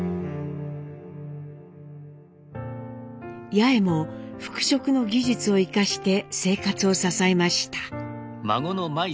八重も服飾の技術を生かして生活を支えました。